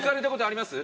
あります。